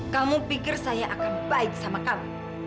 kamu pikir saya akan baik sama kami